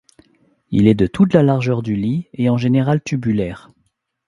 Il est de toute la largeur du lit et en général tubulaire.